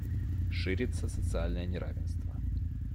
Ширится социальное неравенство.